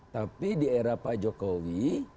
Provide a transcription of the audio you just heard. tapi di era pak jokowi